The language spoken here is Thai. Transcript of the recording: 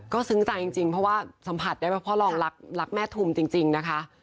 ก็ซึ้งใจจริงเพราะว่าสัมผัสได้ว่าพ่อรองรักแม่ทุมจริงนะคะ